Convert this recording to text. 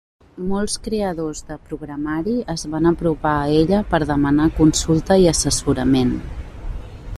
Molts creadors de programari es van apropar a ella per demanar consulta i assessorament.